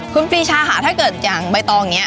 คุณปีชาถ้าเกิดอย่างใบตองนี้